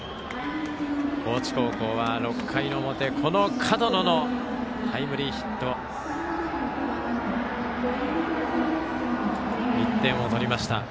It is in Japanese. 高知高校は６回表門野のタイムリーヒットで１点を取りました。